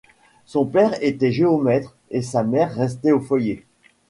Son père était géomètre et sa mère restait au foyer.